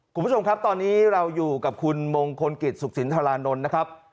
คุณผู้ชมครับตอนนี้เราอยู่กับคุณมงคลกิจสุขสินธรานนท์นะครับ